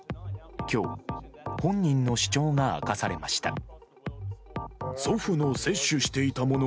今日、本人の主張が明かされました。